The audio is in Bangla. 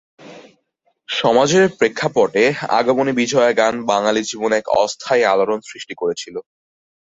সমাজের এ প্রেক্ষাপটে আগমনী-বিজয়া গান বাঙালি জীবনে এক অস্থায়ী আলোড়ন সৃষ্টি করেছিল।